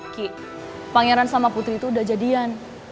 ki pangeran sama putri itu udah jadian